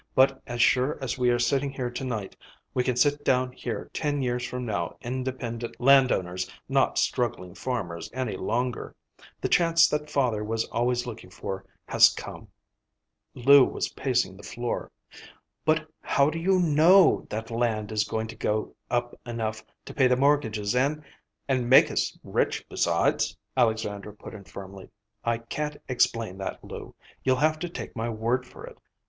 But as sure as we are sitting here to night, we can sit down here ten years from now independent landowners, not struggling farmers any longer. The chance that father was always looking for has come." Lou was pacing the floor. "But how do you know that land is going to go up enough to pay the mortgages and—" "And make us rich besides?" Alexandra put in firmly. "I can't explain that, Lou. You'll have to take my word for it.